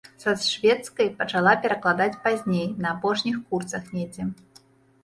Са шведскай пачала перакладаць пазней, на апошніх курсах недзе.